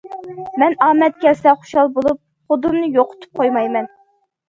مەن ئامەت كەلسە خۇشال بولۇپ خۇدۇمنى يوقىتىپ قويمايمەن.